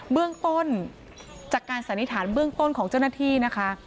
เบื้องต้นจากการสันนิษฐานเบื้องต้นของเจ้าหน้าที่นะคะ